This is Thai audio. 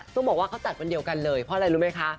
ต้องบอกว่าเขาจัดวันเดียวกันเลยเพราะอะไรรู้ไหมคะ